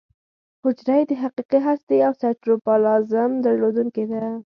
حجره یې د حقیقي هستې او سایټوپلازم درلودونکې ده.